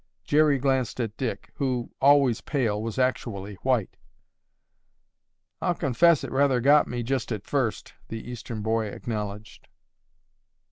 Jerry glanced at Dick, who, always pale, was actually white. "I'll confess it rather got me, just at first," the Eastern boy acknowledged.